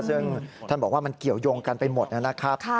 ซึ่งท่านบอกว่ามันเกี่ยวยงกันไปหมดนะครับ